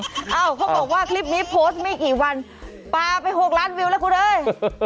เขาบอกว่าคลิปนี้โพสต์ไม่กี่วันปลาไป๖ล้านวิวแล้วคุณเอ้ย